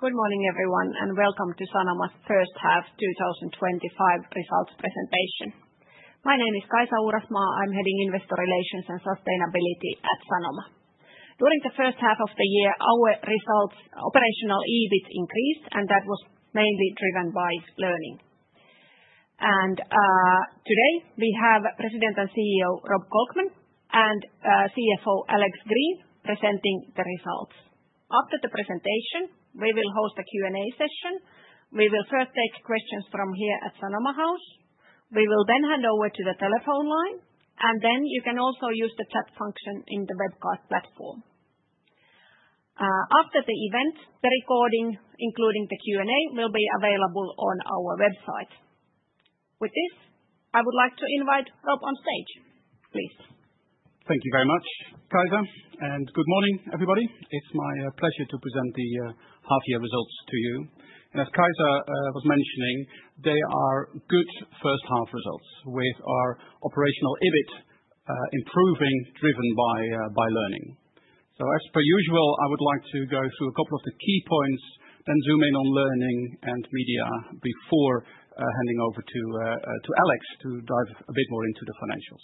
Good morning, everyone, and welcome to Sanoma's first half 2025 results presentation. My name is Kaisa Uurasmaa. I'm heading Investor Relations and Sustainability at Sanoma. During the first half of the year, our results operational EBIT increased, and that was mainly driven by learning. Today we have President and CEO Rob Kolkman and CFO Alex Green presenting the results. After the presentation, we will host a Q&A session. We will first take questions from here at Sanoma House. We will then hand over to the telephone line, and you can also use the chat function in the webcast platform. After the event, the recording, including the Q&A, will be available on our website. With this, I would like to invite Rob on stage. Please. Thank you very much, Kaisa, and good morning, everybody. It's my pleasure to present the half-year results to you. As Kaisa was mentioning, they are good first-half results with our operational EBIT improving driven by learning. As per usual, I would like to go through a couple of the key points, then zoom in on learning and media before handing over to Alex to dive a bit more into the financials.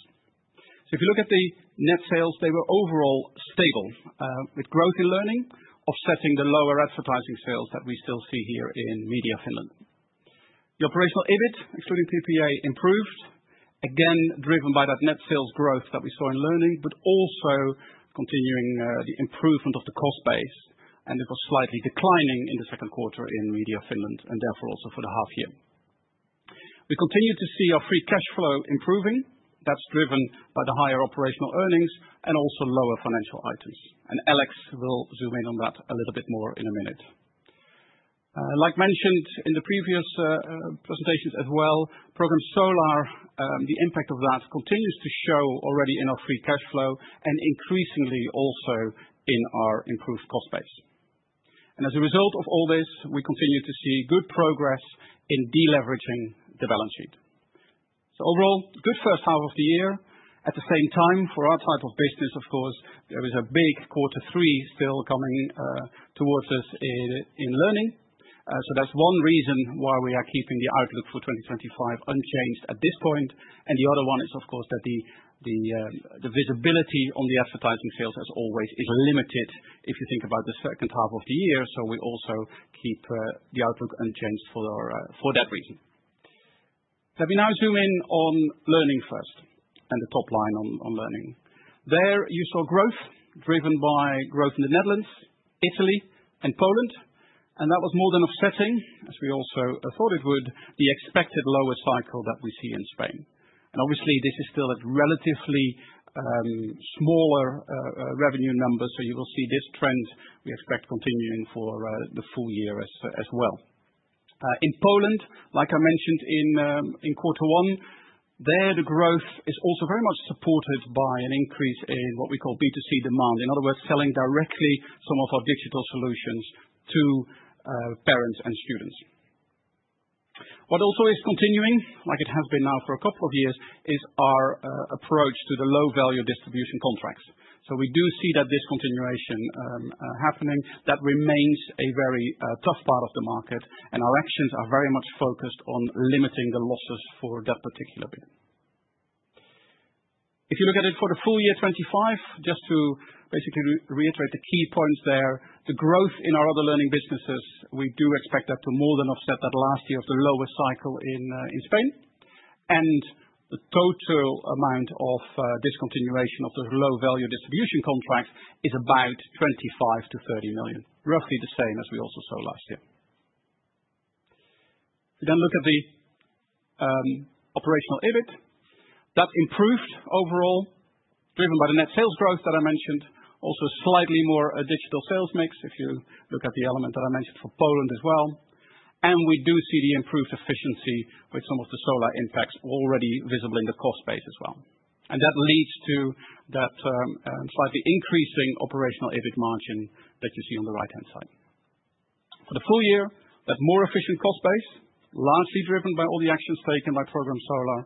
If you look at the net sales, they were overall stable with growth in learning, offsetting the lower advertising sales that we still see here in Media Finland. The operational EBIT, excluding PPA, improved, again driven by that net sales growth that we saw in learning, but also continuing the improvement of the cost base, and it was slightly declining in the second quarter in Media Finland and therefore also for the half-year. We continue to see our free cash flow improving. That's driven by the higher operational earnings and also lower financial items. Alex will zoom in on that a little bit more in a minute. Like mentioned in the previous presentations as well, Program Solar, the impact of that continues to show already in our free cash flow and increasingly also in our improved cost base. As a result of all this, we continue to see good progress in deleveraging the balance sheet. Overall, good first half of the year. At the same time, for our type of business, of course, there is a big quarter three still coming towards us in learning. That's one reason why we are keeping the outlook for 2025 unchanged at this point. The other one is, of course, that the visibility on the advertising sales, as always, is limited if you think about the second half of the year. We also keep the outlook unchanged for that reason. Let me now zoom in on learning first and the top line on learning. There you saw growth driven by growth in the Netherlands, Italy, and Poland. That was more than offsetting, as we also thought it would, the expected lower cycle that we see in Spain. Obviously, this is still a relatively smaller revenue number. You will see this trend we expect continuing for the full year as well. In Poland, like I mentioned in quarter one, there, the growth is also very much supported by an increase in what we call B2C demand. In other words, selling directly some of our digital solutions to parents and students. What also is continuing, like it has been now for a couple of years, is our approach to the low-value distribution contracts. We do see that discontinuation happening. That remains a very tough part of the market, and our actions are very much focused on limiting the losses for that particular bit. If you look at it for the full year 2025, just to basically reiterate the key points there, the growth in our other learning businesses, we do expect that to more than offset that last year of the lower cycle in Spain. The total amount of discontinuation of those low-value distribution contracts is about 25 million-30 million, roughly the same as we also saw last year. If you then look at the operational EBIT, that improved overall, driven by the net sales growth that I mentioned, also slightly more digital sales mix if you look at the element that I mentioned for Poland as well. We do see the improved efficiency with some of the Program Solar impacts already visible in the cost base as well. That leads to that slightly increasing operational EBIT margin that you see on the right-hand side. For the full year, that more efficient cost base, largely driven by all the actions taken by Program Solar,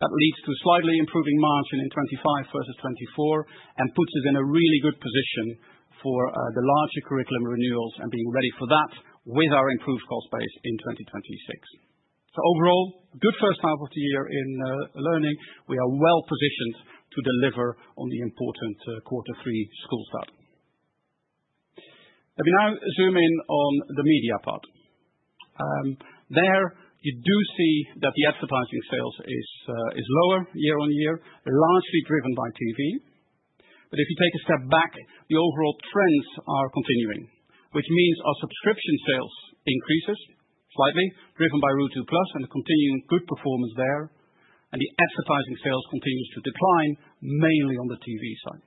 leads to a slightly improving margin in 2025 versus 2024 and puts us in a really good position for the larger curriculum renewals and being ready for that with our improved cost base in 2026. Overall, good first half of the year in learning. We are well positioned to deliver on the important quarter three school start. Let me now zoom in on the media part. There, you do see that the advertising sales are lower year on year, largely driven by TV. If you take a step back, the overall trends are continuing, which means our subscription sales increase slightly, driven by Ruutu+ and the continuing good performance there. The advertising sales continue to decline mainly on the TV side.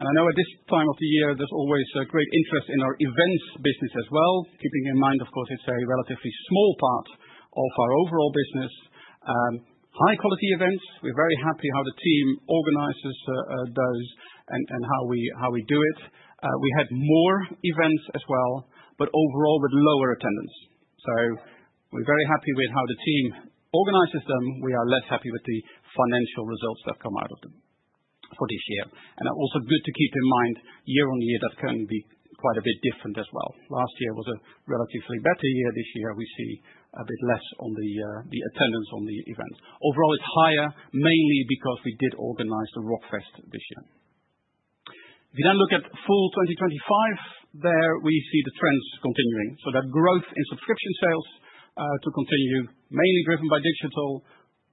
I know at this time of the year, there's always a great interest in our events business as well, keeping in mind, of course, it's a relatively small part of our overall business. High-quality events, we're very happy how the team organizes those and how we do it. We had more events as well, but overall with lower attendance. We're very happy with how the team organizes them. We are less happy with the financial results that come out of them for this year. It's also good to keep in mind year on year that can be quite a bit different as well. Last year was a relatively better year. This year we see a bit less on the attendance on the events. Overall, it's higher mainly because we did organize the Rockfest this year. If you then look at full 2025, there we see the trends continuing. That growth in subscription sales is expected to continue, mainly driven by digital,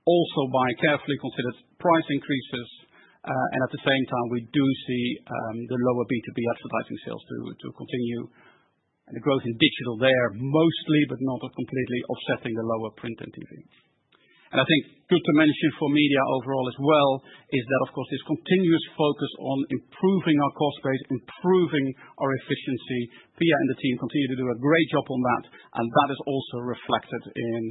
also by carefully considered price increases. At the same time, we do see the lower B2B advertising sales to continue. The growth in digital there mostly, but not completely, offsets the lower print and TV. It is good to mention for media overall as well that, of course, this continuous focus on improving our cost base and improving our efficiency, Pia and the team continue to do a great job on that. That is also reflected in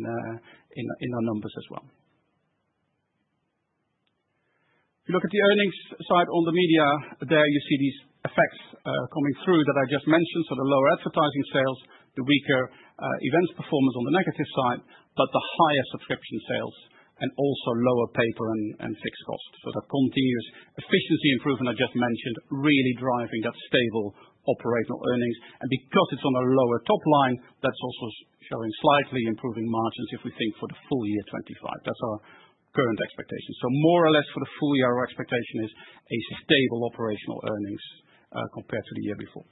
our numbers as well. If you look at the earnings side on the media, there you see these effects coming through that I just mentioned. The lower advertising sales, the weaker events performance on the negative side, but the higher subscription sales and also lower paper and fixed costs. That continuous efficiency improvement I just mentioned is really driving that stable operational earnings. Because it's on a lower top line, that's also showing slightly improving margins if we think for the full year 2025. That's our current expectation. More or less for the full year, our expectation is a stable operational earnings compared to the year before.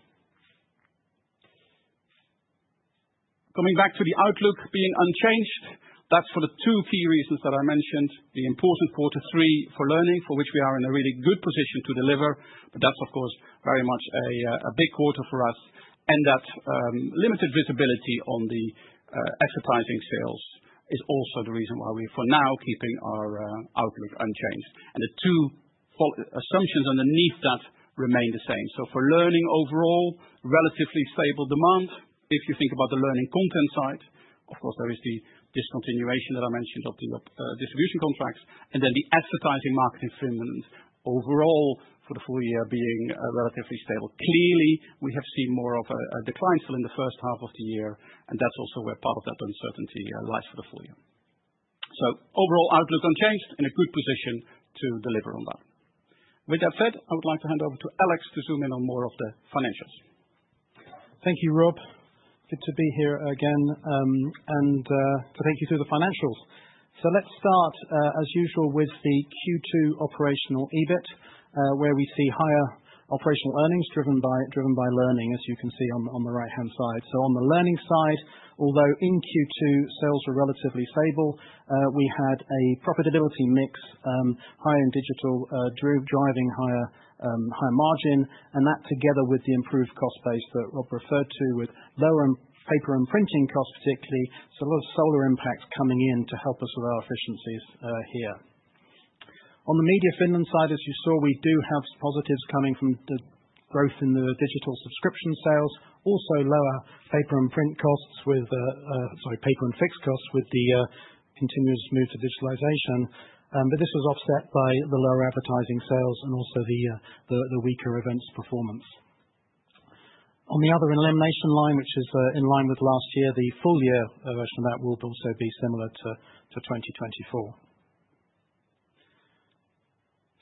Coming back to the outlook being unchanged, that's for the two key reasons that I mentioned, the important quarter three for learning, for which we are in a really good position to deliver. That is, of course, very much a big quarter for us. That limited visibility on the advertising sales is also the reason why we are for now keeping our outlook unchanged. The two assumptions underneath that remain the same. For learning overall, relatively stable demand. If you think about the learning content side, of course, there is the discontinuation that I mentioned of the distribution contracts. The advertising market in Finland overall for the full year is relatively stable. Clearly, we have seen more of a decline still in the first half of the year, and that is also where part of that uncertainty lies for the full year. Overall outlook unchanged in a good position to deliver on that. With that said, I would like to hand over to Alex to zoom in on more of the financials. Thank you, Rob. Good to be here again. Thank you to the financials. Let's start, as usual, with the Q2 operational EBIT, where we see higher operational earnings driven by learning, as you can see on the right-hand side. On the learning side, although in Q2 sales were relatively stable, we had a profitability mix higher in digital, driving higher margin. That, together with the improved cost base that Rob referred to, with lower paper and printing costs particularly, contributed to the results. A lot of Program Solar impacts are coming in to help us with our efficiencies here. On the Media Finland side, as you saw, we do have positives coming from the growth in the digital subscription sales. Also, lower paper and fixed costs with the continuous move to digitalization. This was offset by the lower advertising sales and also the weaker events performance. On the other elimination line, which is in line with last year, the full-year version of that will also be similar to 2024.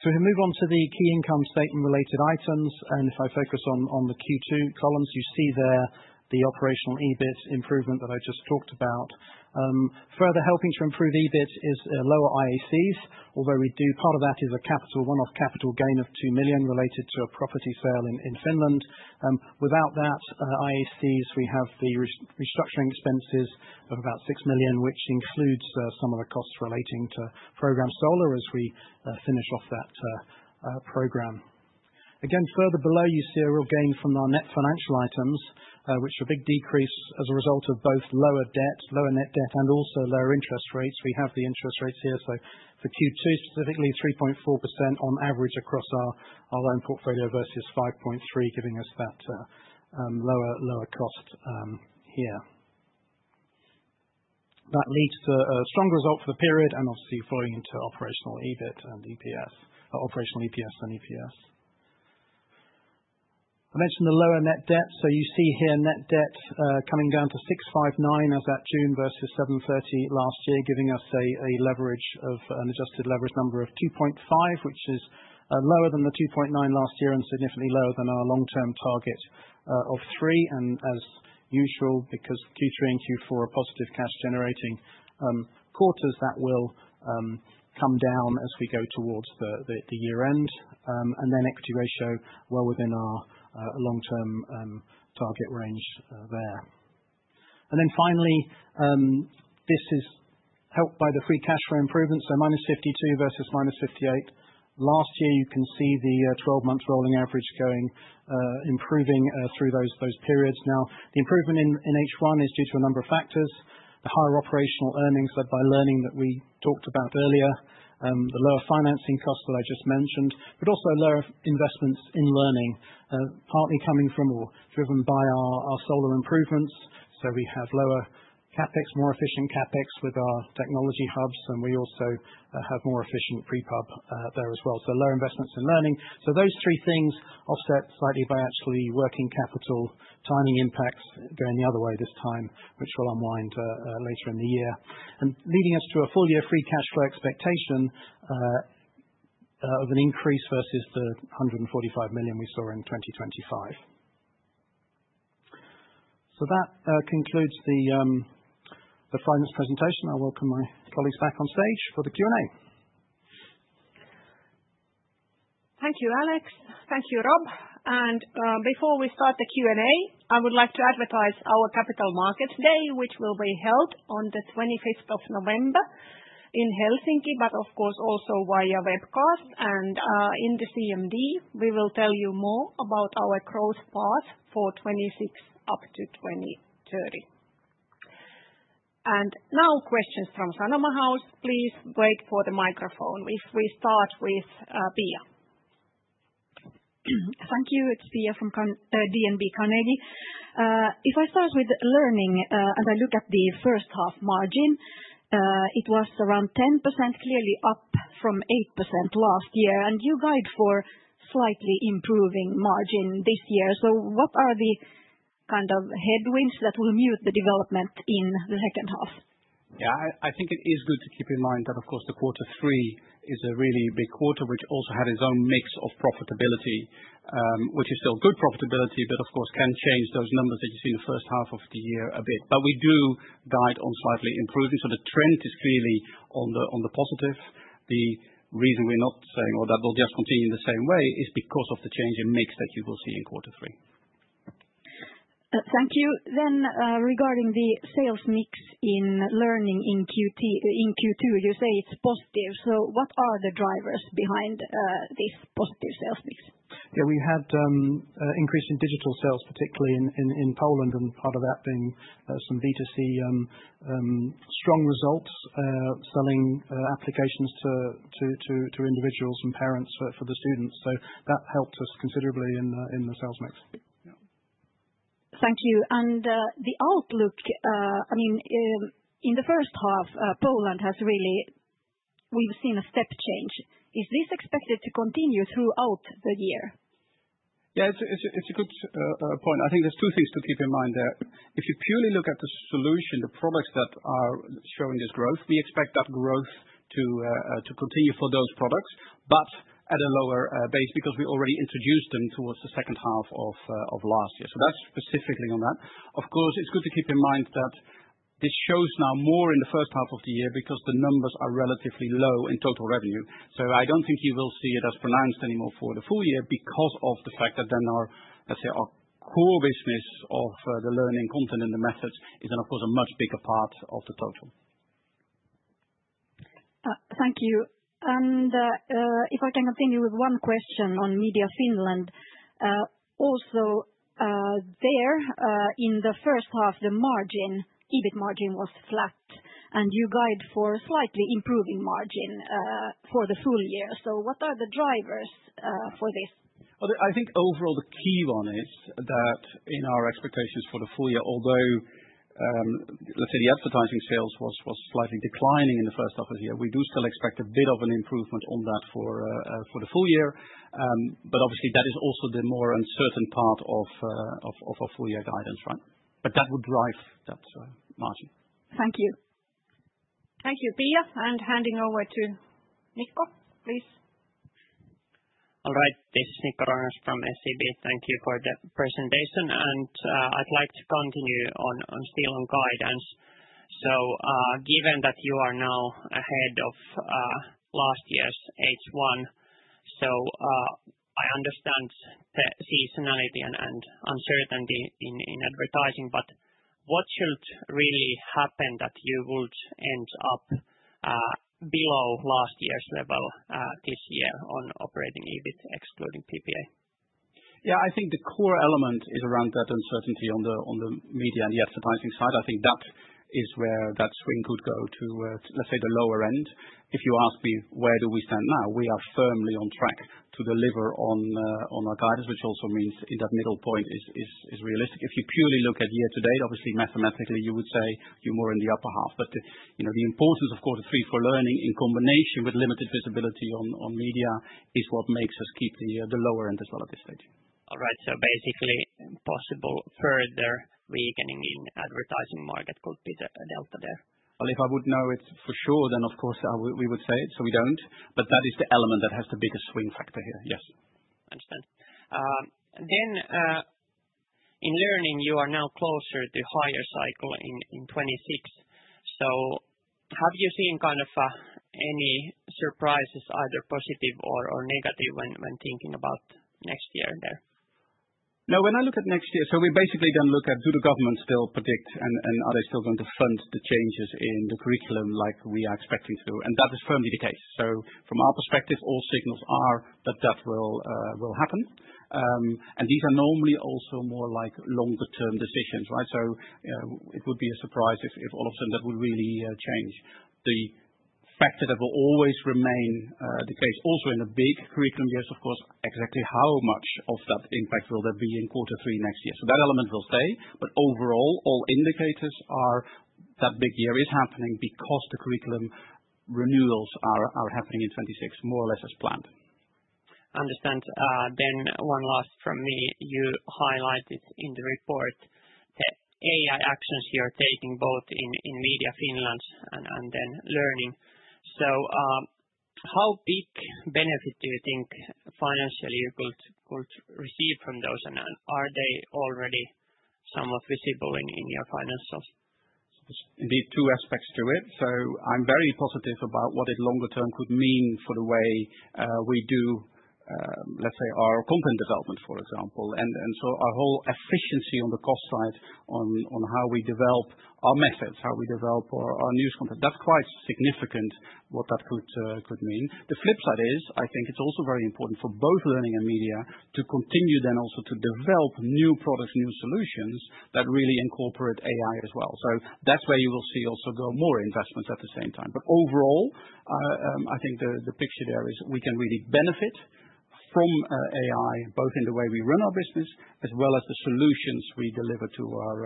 We can move on to the key income statement and related items. If I focus on the Q2 columns, you see there the operational EBIT improvement that I just talked about. Further helping to improve EBIT is lower IACs, although part of that is a one-off capital gain of 2 million related to a property sale in Finland. Without that IACs, we have the restructuring expenses of about 6 million, which includes some of the costs relating to Program Solar as we finish off that program. Further below, you see a real gain from our net financial items, which are a big decrease as a result of both lower net debt and also lower interest rates. We have the interest rates here. For Q2 specifically, 3.4% on average across our own portfolio versus 5.3%, giving us that lower cost here. That leads to a strong result for the period and obviously flowing into operational EBIT and EPS, operational EPS and EPS. I mentioned the lower net debt. You see here net debt coming down to 659 million as at June versus 730 million last year, giving us a leverage, an adjusted leverage number of 2.5, which is lower than the 2.9 last year and significantly lower than our long-term target of 3. Because Q3 and Q4 are positive cash-generating quarters, that will come down as we go towards the year-end. The equity ratio is well within our long-term target range there. Finally, this is helped by the free cash flow improvement, so -52 million versus -58 million. Last year, you can see the 12-month rolling average improving through those periods. The improvement in H1 is due to a number of factors: the higher operational earnings led by learning that we talked about earlier, the lower financing costs that I just mentioned, but also lower investments in learning, partly coming from or driven by our Program Solar improvements. We have lower CapEx, more efficient CapEx with our technology hubs, and we also have more efficient prepub there as well. Lower investments in learning. Those three things are offset slightly by actually working capital, tiny impacts going the other way this time, which will unwind later in the year, leading us to a full year free cash flow expectation of an increase versus the 145 million we saw in 2023. That concludes the finance presentation. I welcome my colleagues back on stage for the Q&A. Thank you, Alex. Thank you, Rob. Before we start the Q&A, I would like to advertise our Capital Markets Day, which will be held on the 25th of November in Helsinki, but of course, also via webcast. In the CMD, we will tell you more about our growth path for 2026 up to 2023. Now questions from Sanoma House. Please wait for the microphone. If we start with Pia. Thank you. It's Pia from DNB Carnegie. If I start with Learning, as I look at the first half margin, it was around 10%, clearly up from 8% last year. You guide for slightly improving margin this year. What are the kind of headwinds that will mute the development in the second half? Yeah, I think it is good to keep in mind that, of course, quarter three is a really big quarter, which also had its own mix of profitability, which is still good profitability, but, of course, can change those numbers that you see in the first half of the year a bit. We do guide on slightly improving. The trend is clearly on the positive. The reason we're not saying, "Oh, that will just continue in the same way," is because of the change in mix that you will see in quarter three. Thank you. Regarding the sales mix in Learning in Q2, you say it's positive. What are the drivers behind this positive sales mix? Yeah, we had an increase in digital sales, particularly in Poland, and part of that being some B2C strong results, selling applications to individuals and parents for the students. That helped us considerably in the sales mix. Thank you. The outlook, I mean, in the first half, Poland has really, we've seen a step change. Is this expected to continue throughout the year? Yeah, it's a good point. I think there's two things to keep in mind there. If you purely look at the solution, the products that are showing this growth, we expect that growth to continue for those products, but at a lower base because we already introduced them towards the second half of last year. That's specifically on that. Of course, it's good to keep in mind that this shows now more in the first half of the year because the numbers are relatively low in total revenue. I don't think you will see it as pronounced anymore for the full year because of the fact that our core business of the learning content and the methods is then, of course, a much bigger part of the total. Thank you. If I can continue with one question on Media Finland, also there, in the first half, the margin, EBIT margin was flat, and you guide for a slightly improving margin for the full year. What are the drivers for this? I think overall the key one is that in our expectations for the full year, although the advertising sales was slightly declining in the first half of the year, we do still expect a bit of an improvement on that for the full year. Obviously, that is also the more uncertain part of our full-year guidance, right? That would drive that margin. Thank you. Thank you, Pia. Handing over to Nikko, please. All right. This is Nikko Ruokangas from SEB. Thank you for the presentation. I'd like to continue on still on guidance. Given that you are now ahead of last year's H1, I understand the seasonality and uncertainty in advertising, but what should really happen that you would end up below last year's level this year on operating EBIT, excluding PPA? Yeah, I think the core element is around that uncertainty on the media and the advertising side. I think that is where that swing could go to, let's say, the lower end. If you ask me where do we stand now, we are firmly on track to deliver on our guidance, which also means that middle point is realistic. If you purely look at year to date, obviously, mathematically, you would say you're more in the upper half. The importance, of course, of Q3 for learning in combination with limited visibility on media is what makes us keep the lower end as well at this stage. All right. Basically, possible further weakening in the advertising market could be the delta there. If I would know it for sure, of course, we would say it. We don't. That is the element that has the biggest swing factor here. Yes. Understood. In learning, you are now closer to a higher cycle in 2026. Have you seen any surprises, either positive or negative, when thinking about next year there? No, when I look at next year, we basically then look at do the governments still predict and are they still going to fund the changes in the curriculum like we are expecting to? That is firmly the case. From our perspective, all signals are that that will happen. These are normally also more like longer-term decisions, right? It would be a surprise if all of a sudden that would really change. The fact that it will always remain the case, also in a big curriculum year, is, of course, exactly how much of that impact will there be in quarter three next year? That element will stay. Overall, all indicators are that big year is happening because the curriculum renewals are happening in 2026, more or less as planned. Understood. One last from me. You highlighted in the report the AI actions you're taking both in Media Finland and then learning. How big benefit do you think financially you could receive from those? Are they already somewhat visible in your financials? There are two aspects to it. I'm very positive about what it longer term could mean for the way we do, let's say, our content development, for example. Our whole efficiency on the cost side on how we develop our methods, how we develop our news content, that's quite significant what that could mean. The flip side is, I think it's also very important for both learning and media to continue then also to develop new products, new solutions that really incorporate AI as well. That's where you will see also more investments at the same time. Overall, I think the picture there is we can really benefit from AI, both in the way we run our business as well as the solutions we deliver to our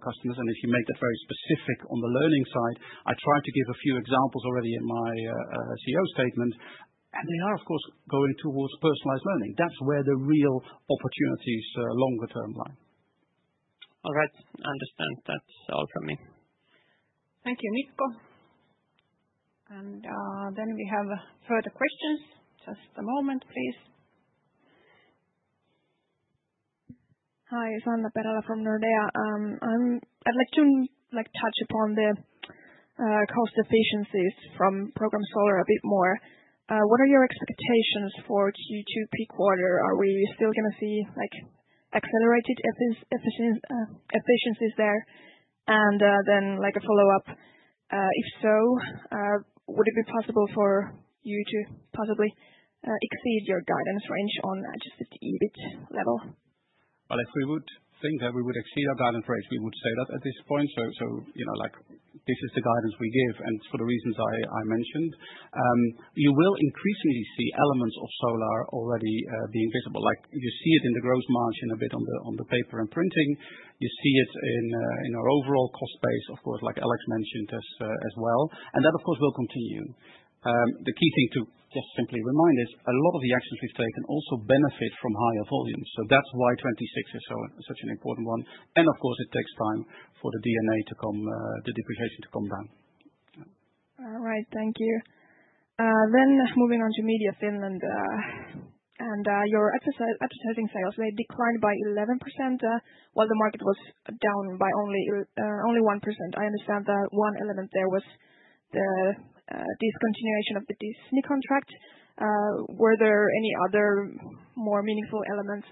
customers. If you make that very specific on the learning side, I tried to give a few examples already in my CEO statement. They are, of course, going towards personalized learning. That's where the real opportunities longer term lie. All right. Understood. That's all from me. Thank you, Nikko. We have further questions. Just a moment, please. Hi, it's Anna Perala from Nordea. I'd like to touch upon the cost efficiencies from Program Solar a bit more. What are your expectations for Q2 per quarter? Are we still going to see like accelerated efficiencies there? If so, would it be possible for you to possibly exceed your guidance range on adjusted EBIT level? If we would think that we would exceed our guidance rate, we would say that at this point. This is the guidance we give. For the reasons I mentioned, you will increasingly see elements of Program Solar already being visible. You see it in the gross margin a bit on the paper and printing. You see it in our overall cost base, of course, like Alex Green mentioned as well. That, of course, will continue. The key thing to just simply remind is a lot of the actions we've taken also benefit from higher volumes. That's why 2026 is such an important one. It takes time for the DNA to come, the depreciation to come down. All right. Thank you. Moving on to Media Finland, your advertising sales declined by 11% while the market was down by only 1%. I understand that one element there was the discontinuation of the Disney contract. Were there any other more meaningful elements?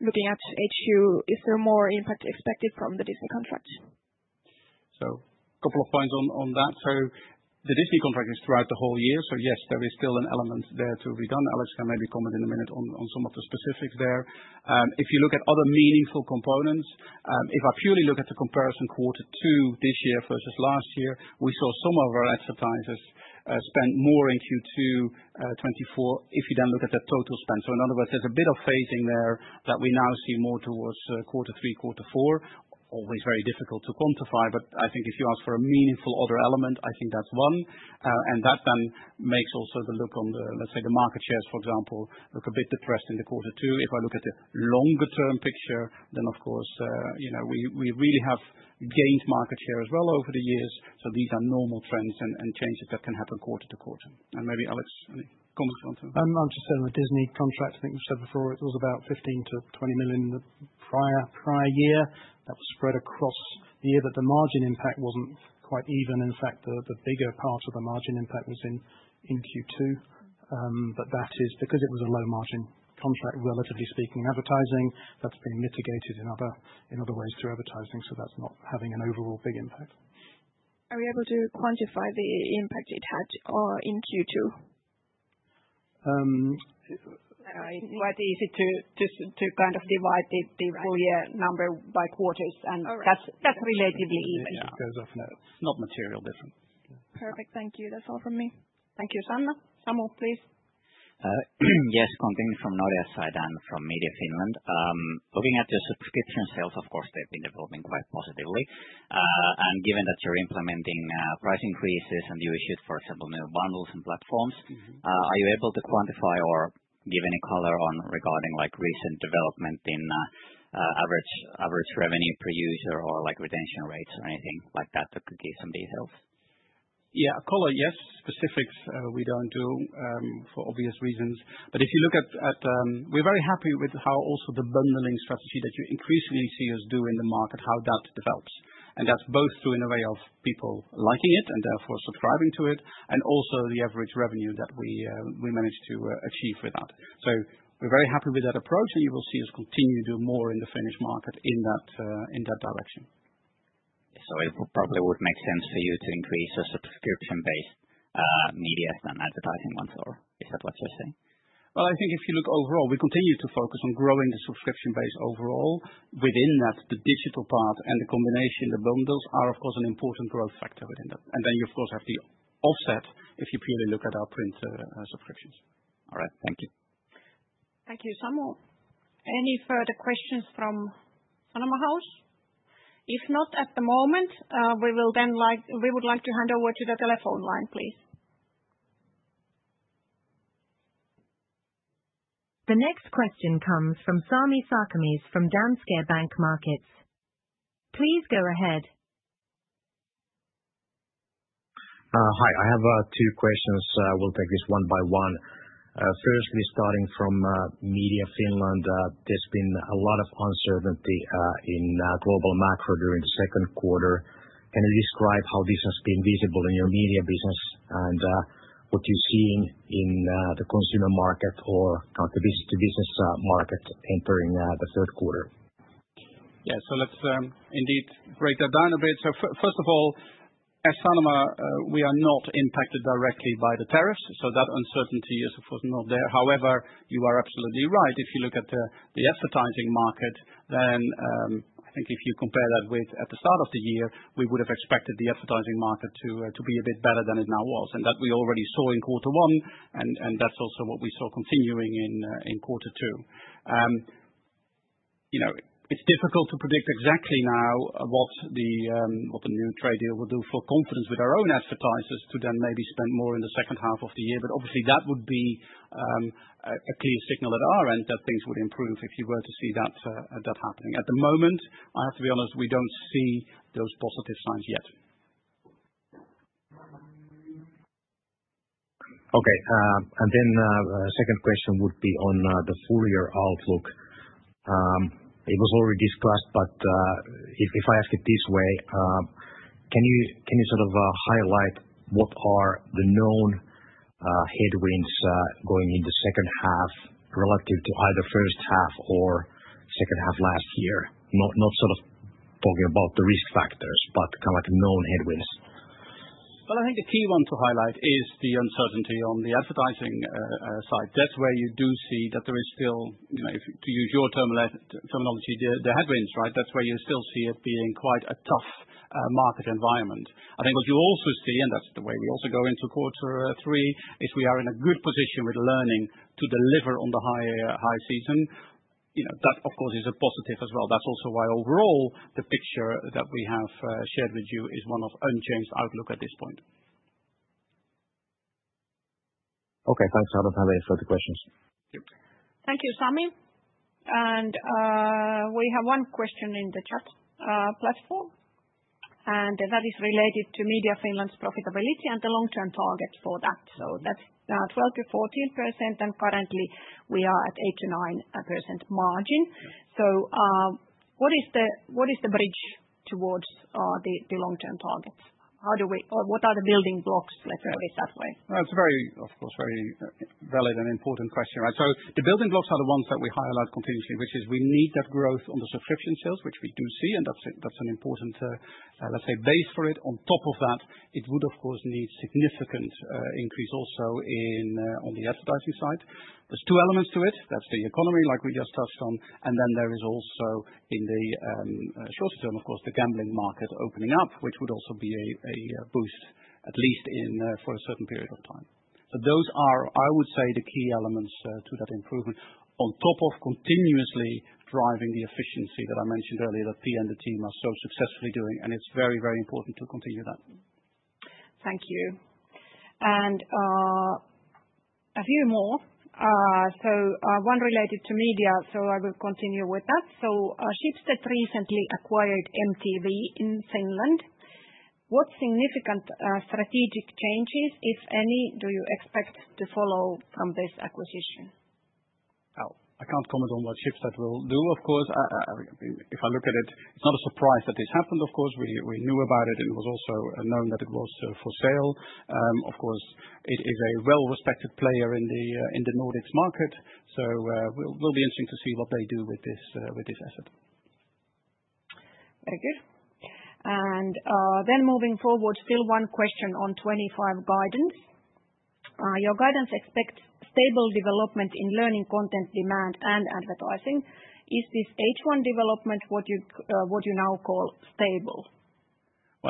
Looking at HQ, is there more impact expected from the Disney contract? A couple of points on that. The Disney contract is throughout the whole year, so yes, there is still an element there to be done. Alex can maybe comment in a minute on some of the specifics there. If you look at other meaningful components, if I purely look at the comparison quarter two this year versus last year, we saw some of our advertisers spend more in Q2 2024 if you then look at the total spend. In other words, there's a bit of phasing there that we now see more towards quarter three, quarter four. Always very difficult to quantify, but I think if you ask for a meaningful other element, I think that's one. That then makes also the look on the, let's say, the market shares, for example, look a bit depressed in quarter two. If I look at the longer-term picture, then, of course, you know we really have gained market share as well over the years. These are normal trends and changes that can happen quarter to quarter. Maybe Alex, any comments you want to? I'm. Just on the Disney contract, I think we've said before, it was about 15 million-20 million in the prior year. That was spread across the year, but the margin impact wasn't quite even. In fact, the bigger part of the margin impact was in Q2. That is because it was a low margin contract, relatively speaking, in advertising. That's been mitigated in other ways through advertising. That's not having an overall big impact. Are we able to quantify the impact it had in Q2? It's quite easy to kind of divide the full year number by quarters, and that's relatively even. It goes off. It's not a material difference. Perfect. Thank you. That's all from me. Thank you so much. Samu, please. Yes, continuing from Nordea, I'm from Media Finland. Looking at your subscription sales, they've been developing quite positively. Given that you're implementing price increases and you issued, for example, new bundles and platforms, are you able to quantify or give any color regarding recent development in average revenue per user or retention rates or anything like that that could give some details? Yes, specifics, we don't do for obvious reasons. If you look at, we're very happy with how also the bundling strategy that you increasingly see us do in the market, how that develops. That's both through in the way of people liking it and therefore subscribing to it, and also the average revenue that we managed to achieve with that. We're very happy with that approach, and you will see us continue to do more in the Finnish market in that direction. It probably would make sense for you to increase your subscription-based media than advertising ones, or is that what you're saying? I think if you look overall, we continue to focus on growing the subscription base overall. Within that, the digital part and the combination of the bundles are, of course, an important growth factor within that. You, of course, have the offset if you purely look at our print subscriptions. All right. Thank you. Thank you, Samu. Any further questions from Sanoma House? If not at the moment, we would like to hand over to the telephone line, please. The next question comes from Sami Sarkamis from Danske Bank Markets. Please go ahead. Hi, I have two questions. We'll take this one by one. Firstly, starting from Media Finland, there's been a lot of uncertainty in global macro during the second quarter. Can you describe how this has been visible in your media business, and what you're seeing in the consumer market or the business-to-business market entering the third quarter? Yeah, let's indeed break that down a bit. First of all, as Sanoma, we are not impacted directly by the tariffs. That uncertainty is, of course, not there. However, you are absolutely right. If you look at the advertising market, I think if you compare that with the start of the year, we would have expected the advertising market to be a bit better than it now was. We already saw that in quarter one, and that's also what we saw continuing in quarter two. It's difficult to predict exactly now what the new trade deal will do for confidence with our own advertisers to maybe spend more in the second half of the year. Obviously, that would be a clear signal at our end that things would improve if you were to see that happening. At the moment, I have to be honest, we don't see those positive signs yet. Okay. The second question would be on the full-year outlook. It was already discussed, but if I ask it this way, can you sort of highlight what are the known headwinds going in the second half relative to either first half or second half last year? Not sort of talking about the risk factors, but kind of like known headwinds. I think the key one to highlight is the uncertainty on the advertising side. That's where you do see that there is still, you know, to use your terminology, the headwinds, right? That's where you still see it being quite a tough market environment. I think what you also see, and that's the way we also go into quarter three, is we are in a good position with learning to deliver on the high season. That, of course, is a positive as well. That's also why overall the picture that we have shared with you is one of unchanged outlook at this point. Okay. Thanks, Kaisa. I don't have any further questions. Thank you, Sami. We have one question in the chat platform. That is related to Media Finland's profitability and the long-term targets for that. That's 12%-14%, and currently, we are at 8% to 9% margin. What is the bridge towards the long-term targets? What are the building blocks? Let's put it that way. That's a very, of course, very valid and important question. The building blocks are the ones that we highlight continuously, which is we need that growth on the subscription sales, which we do see, and that's an important, let's say, base for it. On top of that, it would, of course, need a significant increase also on the advertising side. There are two elements to it. That's the economy, like we just touched on. There is also in the shorter term, of course, the gambling market opening up, which would also be a boost, at least for a certain period of time. Those are, I would say, the key elements to that improvement on top of continuously driving the efficiency that I mentioned earlier that Pia and the team are so successfully doing. It's very, very important to continue that. Thank you. A few more. One related to media, I will continue with that. Shipsted recently acquired MTV in Finland. What significant strategic changes, if any, do you expect to follow from this acquisition? Oh, I can't comment on what Schibsted will do, of course. If I look at it, it's not a surprise that this happened, of course. We knew about it, and it was also known that it was for sale. It is a well-respected player in the Nordics market. It will be interesting to see what they do with this asset. Very good. Moving forward, still one question on 2025 guidance. Your guidance expects stable development in learning content demand and advertising. Is this H1 development what you now call stable?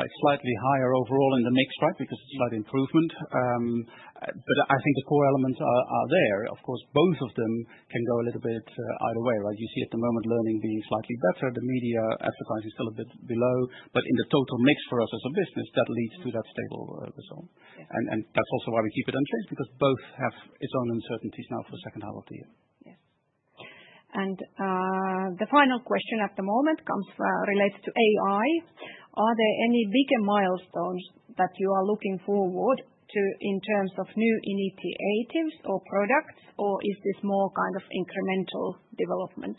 It's slightly higher overall in the mix, right, because it's slight improvement. I think the core elements are there. Of course, both of them can go a little bit either way, right? You see at the moment learning being slightly better. The media advertising is still a bit below. In the total mix for us as a business, that leads to that stable result. That's also why we keep it unchanged because both have its own uncertainties now for the second half of the year. Yes. The final question at the moment relates to AI. Are there any bigger milestones that you are looking forward to in terms of new initiatives or products, or is this more kind of incremental development?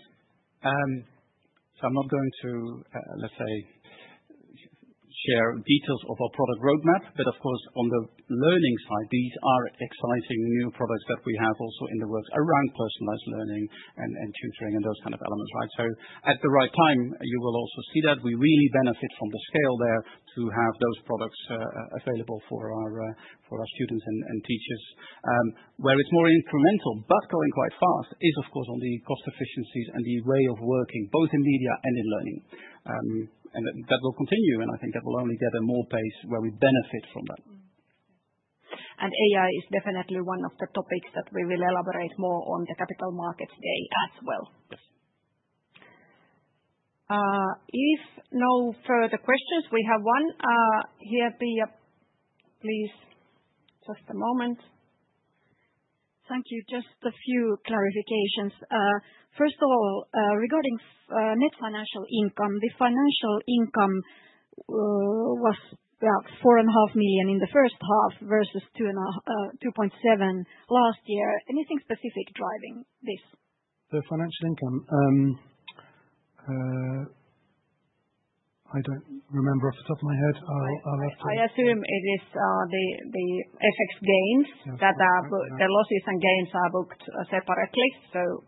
I'm not going to, let's say, share details of our product roadmap. Of course, on the learning side, these are exciting new products that we have also in the works around personalized learning and tutoring and those kind of elements, right? At the right time, you will also see that we really benefit from the scale there to have those products available for our students and teachers. Where it's more incremental, but going quite fast, is, of course, on the cost efficiencies and the way of working, both in media and in learning. That will continue, and I think that will only get a more pace where we benefit from that. AI is definitely one of the topics that we will elaborate more on at the Capital Markets Day as well. Yes. If no further questions, we have one here, Pia, please. Just a moment. Thank you. Just a few clarifications. First of all, regarding net financial income, the financial income was about 4.5 million in the first half versus 2.7 million last year. Anything specific driving this? The financial income? I don't remember off the top of my head. I'll have to. I assume it is the FX gains, that the losses and gains are booked separately.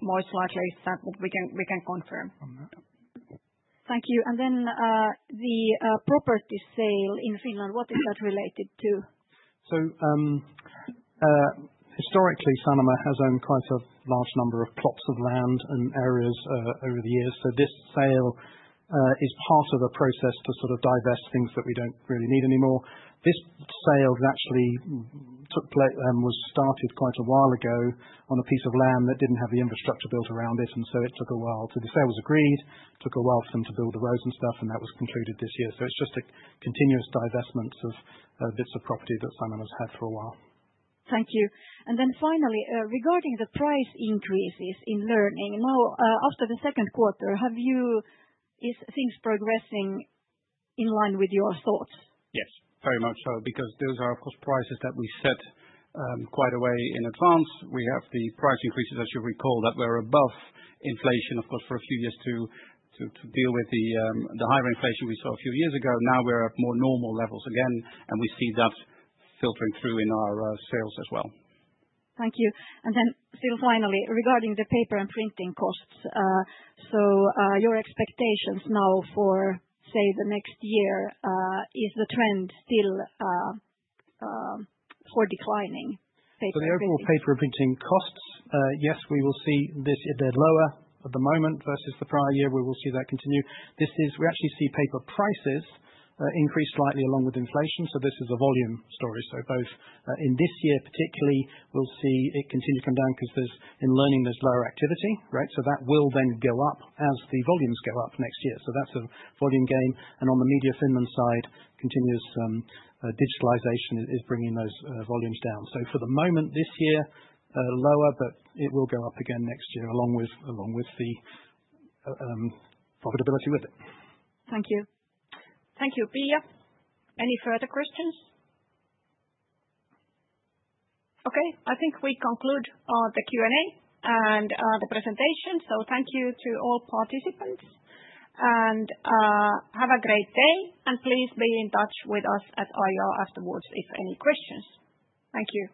Most likely, we can confirm on that. Thank you. The property sale in Finland, what is that related to? Historically, Sanoma has owned quite a large number of plots of land and areas over the years. This sale is part of a process to sort of divest things that we don't really need anymore. This sale actually took place and was started quite a while ago on a piece of land that didn't have the infrastructure built around it, and it took a while. The sale was agreed, and it took a while for them to build the roads and stuff, and that was concluded this year. It's just a continuous divestment of bits of property that Sanoma's had for a while. Thank you. Finally, regarding the price increases in Learning, now after the second quarter, have you, is things progressing in line with your thoughts? Yes, very much so, because those are, of course, prices that we set quite a way in advance. We have the price increases, as you recall, that were above inflation, of course, for a few years to deal with the higher inflation we saw a few years ago. Now we're at more normal levels again, and we see that filtering through in our sales as well. Thank you. Finally, regarding the paper and printing costs, your expectations now for, say, the next year, is the trend still for declining paper? For paper and printing costs, yes, we will see this a bit lower at the moment versus the prior year. We will see that continue. We actually see paper prices increase slightly along with inflation. This is a volume story. Both in this year, particularly, we'll see it continue to come down because in learning, there's lower activity, right? That will then go up as the volumes go up next year. That's a volume gain. On the Media Finland side, continuous digitalization is bringing those volumes down. For the moment this year, lower, but it will go up again next year along with the profitability with it. Thank you. Thank you, Pia. Any further questions? Okay, I think we conclude the Q&A and the presentation. Thank you to all participants, and have a great day. Please be in touch with us at IR afterwards if any questions. Thank you.